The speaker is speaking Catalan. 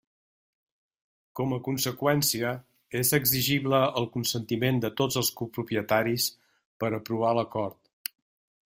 Com a conseqüència, és exigible el consentiment de tots els copropietaris per aprovar l'acord.